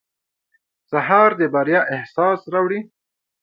سهار د بریا احساس راوړي.